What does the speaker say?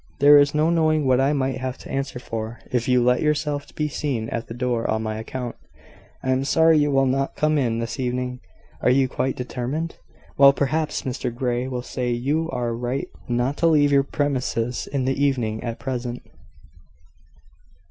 There is no knowing what I might have to answer for, if you let yourself be seen at the door on my account. I am sorry you will not come in this evening. Are you quite determined? Well, perhaps Mr Grey will say you are right not to leave your premises in the evening, at present.